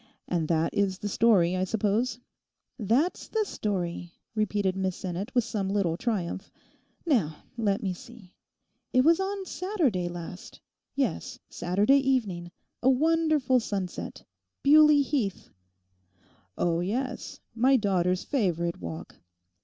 'And that is the story, I suppose?' 'That's the story,' repeated Miss Sinnet with some little triumph. 'Now, let me see; it was on Saturday last—yes, Saturday evening; a wonderful sunset; Bewley Heath.' 'Oh yes; my daughter's favourite walk.